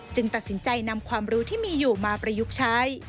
ตัดสินใจนำความรู้ที่มีอยู่มาประยุกต์ใช้